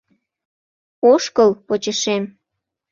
Ошкыл почешем.